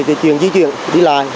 di chuyển di chuyển đi lại